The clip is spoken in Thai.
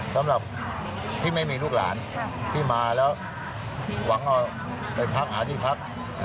สำหรับที่ไม่มีลูกหลานที่มาแล้วหวังเอาไปพักหาที่พัก